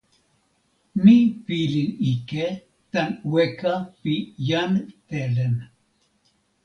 mi pilin ike tan weka pi jan Telen.